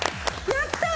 やったー！